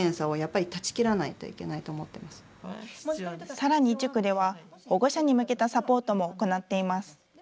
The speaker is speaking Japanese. さらに塾では、保護者に向けたサポートも行っています。